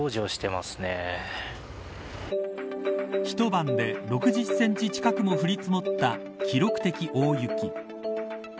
一晩で６０センチ近くも降り積もった記録的大雪。